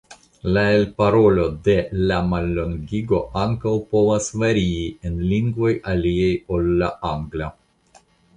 La elparolo de la mallongigo ankaŭ povas varii en lingvoj aliaj ol la angla.